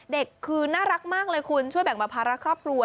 เด็กคือน่ารักมากเลยคุณช่วยแบ่งเบาภาระครอบครัว